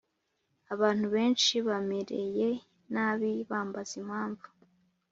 Abantu benshi bamereye nabi bambaza impamvu